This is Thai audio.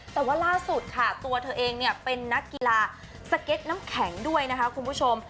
แต่ว่าล่าสุดค่ะตัวเธอเองเนี่ยเป็นนักกีฬาสเก็ตน้ำแข็งด้วยนะคะคุณผู้ชม